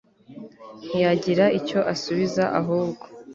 ntiyagira icyo asubiza ahubwo